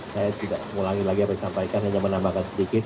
saya tidak mengulangi lagi apa yang disampaikan hanya menambahkan sedikit